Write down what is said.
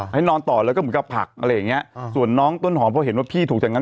ให้นอนต่อแล้วก็เหมือนกับผักอะไรอย่างเงี้ยส่วนน้องต้นหอมพอเห็นว่าพี่ถูกจากนั้น